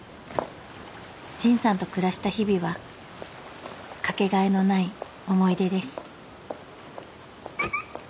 「陳さんと暮らした日々はかけがえのない思い出です」